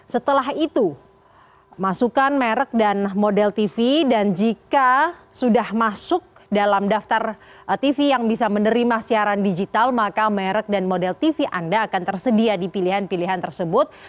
setelah itu masukkan merek dan model tv dan jika sudah masuk dalam daftar tv yang bisa menerima siaran digital maka merek dan model tv anda akan tersedia di pilihan pilihan tersebut